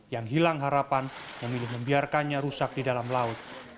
yang hilang harapan memilih membiarkannya rusak di dalam laut